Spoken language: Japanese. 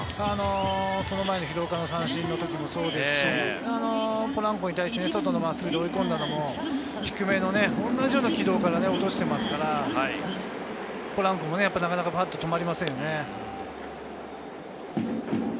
その前の廣岡の三振の時もそうですし、ポランコに対して外の真っすぐで追い込んだのも、低めの同じような軌道で落としていますからポランコもなかなかバット止まりませんよね。